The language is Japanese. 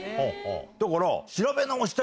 だから。